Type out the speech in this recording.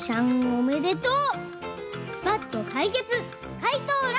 おめでとう！